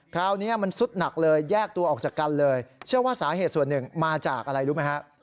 คราวนี้มันซุดหนักเลยแยกตัวออกจากกันเลยเชื่อว่าสาเหตุส่วนหนึ่งมาจากอะไรรู้ไหมฮะ